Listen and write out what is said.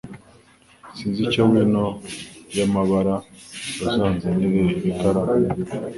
Sinzi icyo wino yamabara, uzanzanire ikaramu